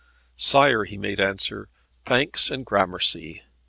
"Sire," he made answer, "thanks and gramercy.